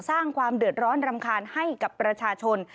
สร้างความเดือดร้อนรำคาญให้กับประชาชน